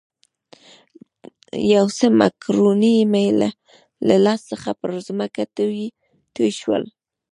یو څه مکروني مې له لاس څخه پر مځکه توی شول.